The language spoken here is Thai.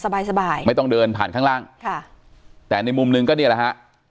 สบายสบายไม่ต้องเดินผ่านข้างล่างค่ะแต่ในมุมหนึ่งก็เนี่ยแหละฮะ